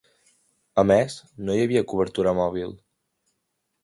A més, no hi havia cobertura mòbil.